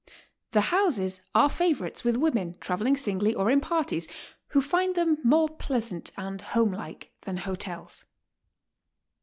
The houses are favorites with women traveling singly or in parties, who find tliein more pleasant and home like than hotels.